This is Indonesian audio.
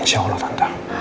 insya allah tante